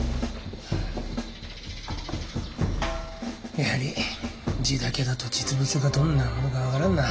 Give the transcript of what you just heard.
やはり字だけだと実物がどんなものか分からんな。